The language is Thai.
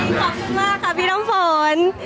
ขอบคุณมากค่ะพี่น้ำฝน